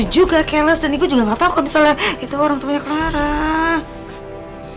ibu juga keles dan ibu juga gak tahu kalau misalnya itu orang tuanya kelarak